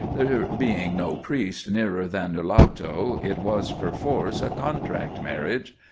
There being no priest nearer than Nulato, it was, perforce, a contract marriage.